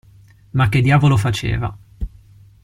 Ma che diavolo faceva.